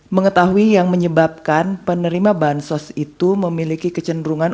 mengetahui yang menyebabkan penerima bansos itu memiliki kecenderungan